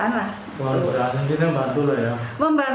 kemanusiaan yang kini membantu ya